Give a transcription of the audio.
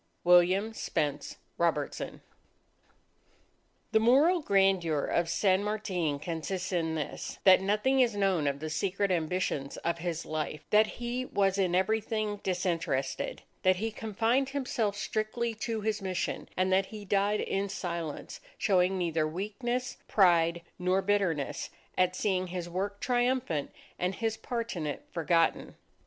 _ WILLIAM SPENCE ROBERTSON _The moral grandeur of San Martin consists in this: that nothing is known of the secret ambitions of his life; that he was in everything disinterested; that he confined himself strictly to his mission; and that he died in silence, showing neither weakness, pride, nor bitterness at seeing his work triumphant and his part in it forgotten.